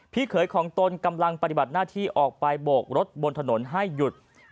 พี่เขยของตนกำลังปฏิบัติหน้าที่ออกไปโบกรถบนถนนให้หยุดคือให้รถที่อยู่ในบริษัทออกมาก่อน